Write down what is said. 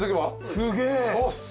すげえ！